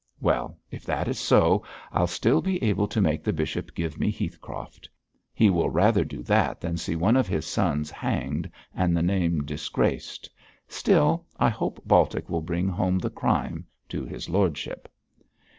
Well, if that is so, I'll still be able to make the bishop give me Heathcroft. He will rather do that than see one of his sons hanged and the name disgraced. Still, I hope Baltic will bring home the crime to his lordship.'